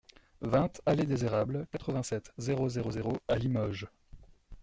vingt alléE des Erables, quatre-vingt-sept, zéro zéro zéro à Limoges